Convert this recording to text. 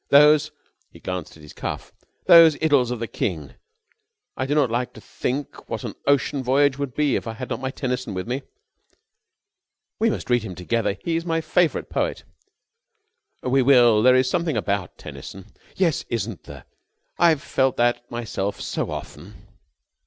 "Those " he glanced at his cuff "those Idylls of the King! I do not like to think what an ocean voyage would be if I had not my Tennyson with me." "We must read him together. He is my favourite poet!" "We will! There is something about Tennyson...." "Yes, isn't there! I've felt that myself so often!"